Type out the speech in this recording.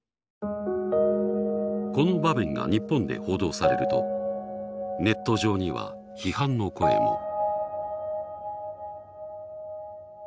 この場面が日本で報道されるとネット上には批判の声も。